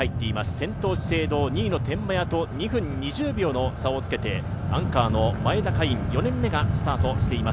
先頭・資生堂、２位の天満屋と２分２０秒の差をつけてアンカーの前田海音、４年目がスタートしています。